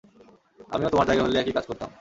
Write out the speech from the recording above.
আমিও তোমার জায়গায় হলে একই কাজ করতাম।